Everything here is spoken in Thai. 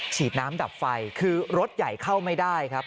ฉีดน้ำดับไฟคือรถใหญ่เข้าไม่ได้ครับ